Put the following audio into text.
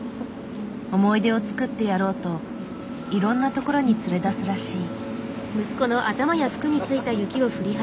思い出を作ってやろうといろんな所に連れ出すらしい。